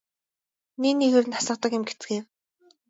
Нэг нэгээр нь асгадаг юм гэцгээв.